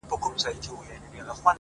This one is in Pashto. لوړ لید د راتلونکي جوړښت دی.